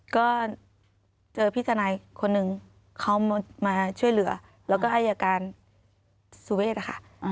ก็เจอพี่ทนายคนหนึ่งเขามาช่วยเหลือแล้วก็อายการสุเวทค่ะ